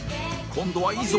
今度はいいぞ！